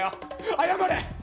謝れ。